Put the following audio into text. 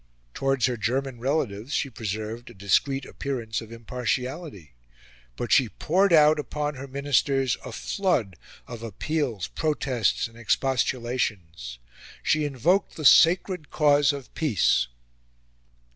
Towards her German relatives she preserved a discreet appearance of impartiality; but she poured out upon her Ministers a flood of appeals, protests, and expostulations. She invoked the sacred cause of Peace.